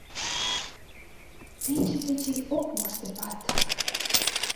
Пече печен ок моштепат